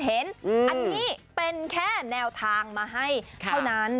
อันนี้เป็นแค่แนวทางมาให้เท่านั้น